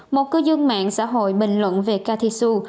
một cư dân mạng xã hội bình luận về cathy xu